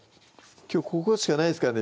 きょうここしかないですからね